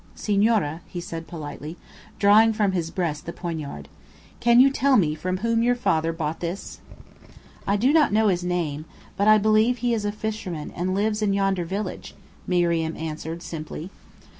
"Senora," he said politely, drawing from his breast the poignard, "can you tell me from whom your father bought this?" "I do not know his name, but I believe he is a fisherman and lives in yonder village," Miriam answered simply.